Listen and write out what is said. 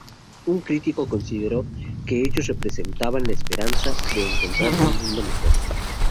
Un crítico consideró que ellos representaban la esperanza de encontrar un mundo mejor.